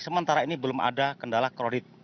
sementara ini belum ada kendala kredit